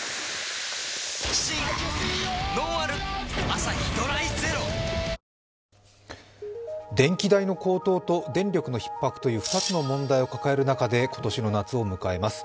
東芝電気代の高騰と電力のひっ迫という２つの問題を抱える中で今年の夏を迎えます。